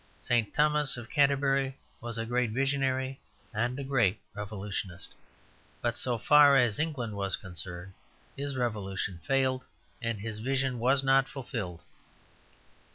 St. Thomas of Canterbury was a great visionary and a great revolutionist, but so far as England was concerned his revolution failed and his vision was not fulfilled.